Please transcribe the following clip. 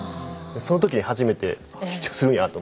その時に初めて緊張するんやと思って。